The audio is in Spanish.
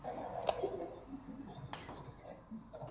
El venado se guisa a las finas hierbas y en la salsa.